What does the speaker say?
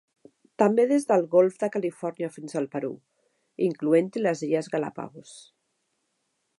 També des del Golf de Califòrnia fins al Perú, incloent-hi les Illes Galápagos.